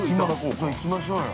◆じゃあ、いきましょうよ。